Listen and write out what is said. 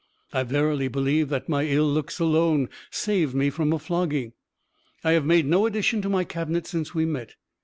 I verily believe that my ill looks alone saved me a flogging. "I have made no addition to my cabinet since we met.